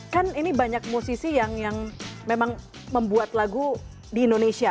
kan ini banyak musisi yang memang membuat lagu di indonesia